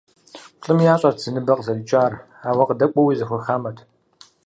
Плӏыми ящӏэрт зы ныбэ къызэрикӏар, абы къыдэкӏуэуи зэхуэхамэт.